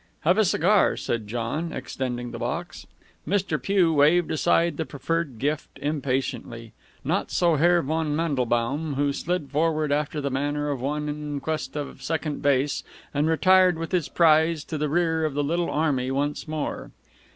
"Have a cigar," said John, extending the box. Mr. Pugh waved aside the preferred gift impatiently. Not so Herr von Mandelbaum, who slid forward after the manner of one in quest of second base and retired with his prize to the rear of the little army once more.